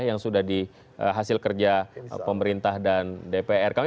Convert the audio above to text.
yang sudah dihasil kerja pemerintah dan dpr